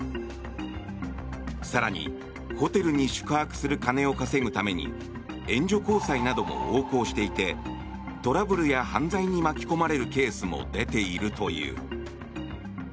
更に、ホテルに宿泊する金を稼ぐために援助交際なども横行していてトラブルや犯罪に巻き込まれるケースも出ているという。